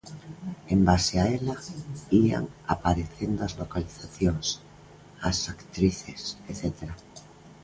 En base a ela ían aparecendo as localizacións, as actrices etcétera..